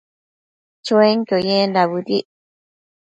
Chuenquio yendac bëdic